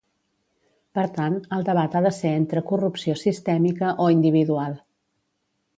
Per tant, el debat ha de ser entre corrupció sistèmica o individual.